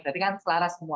berarti kan selara semua